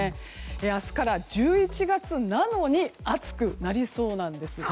明日から１１月なのに暑くなりそうなんです。